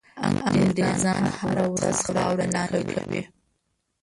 انګرېزان هره ورځ خاوره لاندي کوي.